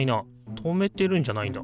留めてるんじゃないんだ。